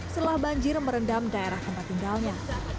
setelah banjir merendam daerah tempat tinggalnya